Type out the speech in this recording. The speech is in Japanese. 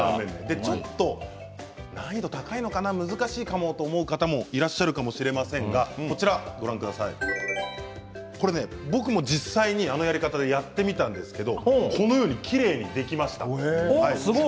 ちょっと難易度高いのかな難しいかもと思う方もいらっしゃるかもしれませんが僕も実際にあのやり方でやってみたんですけれどすごい。